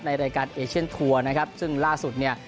ในรายการเอเชียนทัวร์นะครับซึ่งล่าสุดเนี่ย